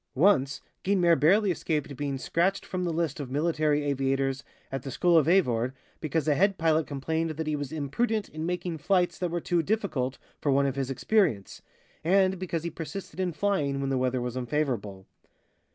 Once, Guynemer barely escaped being scratched from the list of military aviators at the school of Avord, because a head pilot complained that he was imprudent in making flights that were too difficult for one of his experience, and because he persisted in flying when the weather was unfavorable.